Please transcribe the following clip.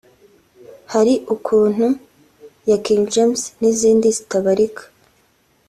‘Hari ukuntu’ ya King James n’izindi zitabarika